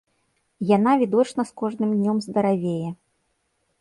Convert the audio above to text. Яна відочна з кожным днём здаравее.